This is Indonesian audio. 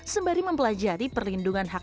sembari mempelajari perlindungan hak